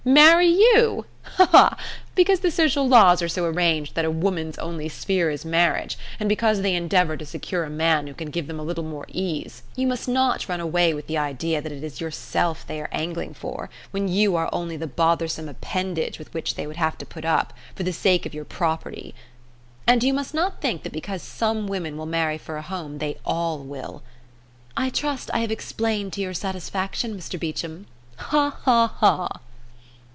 Marry you! Ha ha! Because the social laws are so arranged that a woman's only sphere is marriage, and because they endeavour to secure a man who can give them a little more ease, you must not run away with the idea that it is yourself they are angling for, when you are only the bothersome appendage with which they would have to put up, for the sake of your property. And you must not think that because some women will marry for a home they all will. I trust I have explained to your satisfaction, Mr Beecham. Ha ha ha!"